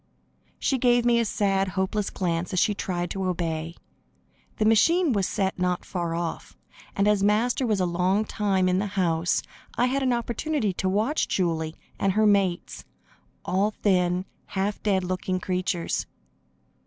She gave me a sad, hopeless glance as she tried to obey. The machine was set not far off, and as Master was a long time in the house, I had an opportunity to watch Julie and her mates all thin, half dead looking creatures.